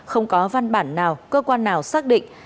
không có văn bản nào cơ quan nào xác định